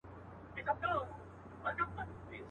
چا چي کړی په چاپلوس باندي باور دی.